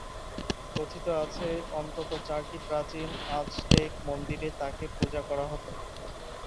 কথিত আছে, অন্তত চারটি প্রাচীন আজটেক মন্দিরে তাকে পূজা করা হত।